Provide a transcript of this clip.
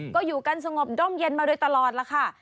ก็อยู่กันสงบด้มเย็นมาโดยตลอดล่ะค่ะ